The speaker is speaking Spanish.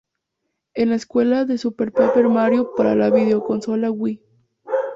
Es la secuela de Super Paper Mario para la videoconsola Wii.